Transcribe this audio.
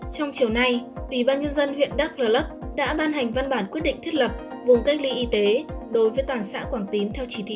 trong chiều nay ủy ban nhân dân huyện đắc rờ lấp đã ban hành văn bản quyết định thiết lập vùng cách ly y tế đối với toàn xã quảng tín theo chỉ thị một mươi sáu